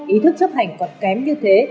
ý thức chấp hành còn kém như thế